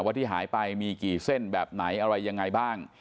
ที่หายไปมีกี่เส้นแบบไหนอะไรยังไงบ้าง